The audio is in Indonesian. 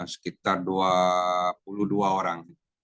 sekitar dua puluh dua orang